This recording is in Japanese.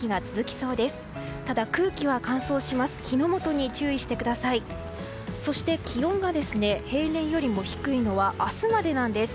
そして気温が平年より低いのは明日までなんです。